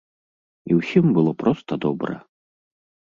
І ўсім было проста добра.